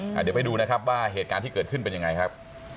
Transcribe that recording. เดี๋ยวไปดูนะครับว่าเหตุการณ์ที่เกิดขึ้นเป็นยังไงครับ